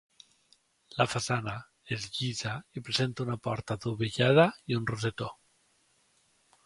La façana és llisa i presenta una porta adovellada i un rosetó.